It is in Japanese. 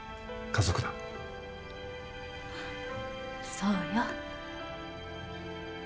そうよ。